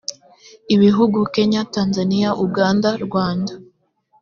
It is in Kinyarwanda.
ibihugu kenya tanzania uganda rwanda